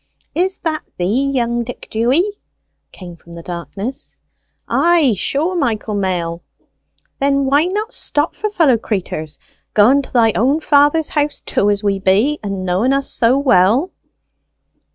"Is that thee, young Dick Dewy?" came from the darkness. "Ay, sure, Michael Mail." "Then why not stop for fellow craters going to thy own father's house too, as we be, and knowen us so well?"